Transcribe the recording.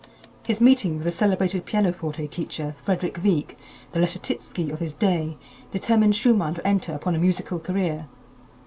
His meeting with the celebrated pianoforte teacher, Frederick Wieck, the Leschetitzki of his day, determined Schumann to enter upon a musical career.